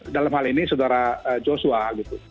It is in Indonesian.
dalam hal ini saudara joshua gitu